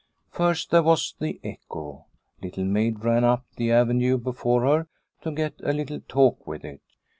First there was the echo. Little Maid ran up the avenue before her to get a little talk with it.